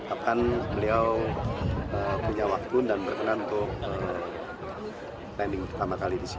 akan beliau punya waktu dan berkenan untuk landing pertama kali di sini